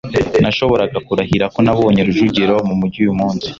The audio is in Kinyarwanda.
Nashoboraga kurahira ko nabonye Rujugiro mumujyi uyu munsi.